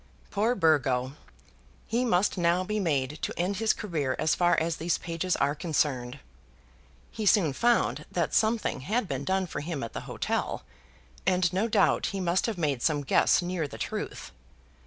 Poor Burgo! He must now be made to end his career as far as these pages are concerned. He soon found that something had been done for him at the hotel, and no doubt he must have made some guess near the truth.